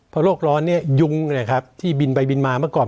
เพราะโรคร้อนเนี่ยยุงเนี่ยครับที่บินไปบินมาเมื่อก่อน